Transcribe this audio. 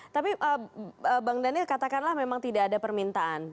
tapi bang daniel katakanlah memang tidak ada permintaan